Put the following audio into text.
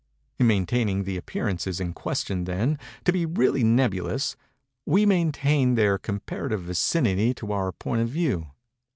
In maintaining the appearances in question, then, to be really nebulous, we maintain their comparative vicinity to our point of view.